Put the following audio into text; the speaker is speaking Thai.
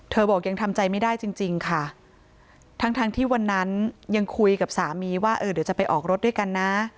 บอกยังทำใจไม่ได้จริงจริงค่ะทั้งทั้งที่วันนั้นยังคุยกับสามีว่าเออเดี๋ยวจะไปออกรถด้วยกันนะ